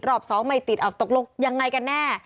รอบสองไม่ติดตกลงยังไงกันแน่